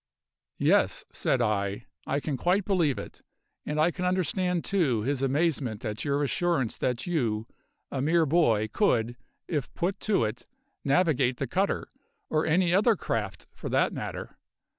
"Yes," said I, "I can quite believe it; and I can understand, too, his amazement at your assurance that you a mere boy could, if put to it, navigate the cutter, or any other craft for that matter.